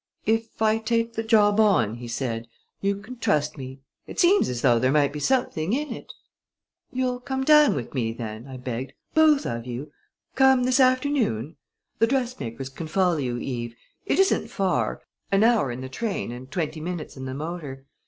"If I take the job on," he said, "you can trust me. It seems as though there might be something in it." "You'll come down with me, then," I begged, "both of you? Come this afternoon! The dressmakers can follow you, Eve. It isn't far an hour in the train and twenty minutes in the motor.